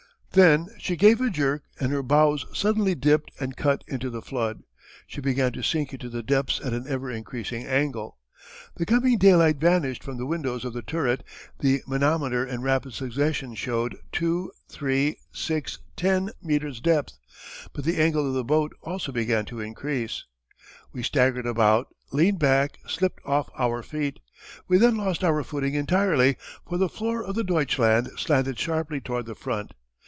Then she gave a jerk and her bows suddenly dipped and cut into the flood. She began to sink into the depths at an ever increasing angle. The coming daylight vanished from the windows of the turret, the manometer in rapid succession showed 2 3 6 10 meters' depth. But the angle of the boat also began to increase. We staggered about, leaned back, slipped off our feet. We then lost our footing entirely for the floor of the Deutschland slanted sharply toward the front.